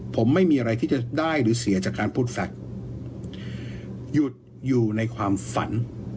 ผมไม่มีอะไรที่จะได้หรือเสียจากการพูดสัตว์หยุดอยู่ในความฝัน